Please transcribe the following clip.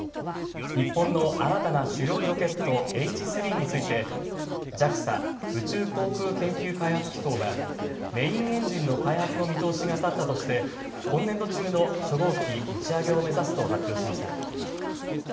日本の新たな主力ロケット、Ｈ３についてＪＡＸＡ・宇宙航空研究開発機構はメインエンジンの開発の見通しが立ったとして今年度中の初号機打ち上げを目指すと発表しました。